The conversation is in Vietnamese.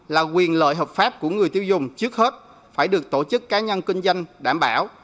là quyền lợi hợp pháp của người tiêu dùng trước hết phải được tổ chức cá nhân kinh doanh đảm bảo